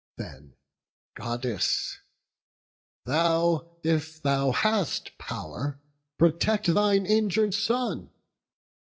Then, Goddess, thou, If thou hast pow'r, protect thine injur'd son.